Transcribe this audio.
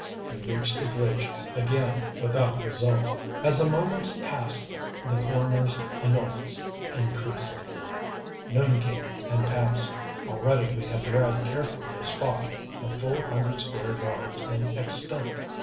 We reached the Bridge again without result. As the moments passed the coroner's annoyance increased. Noon came and passed already we had dragged carefully a spot a full hundred square yards in extent.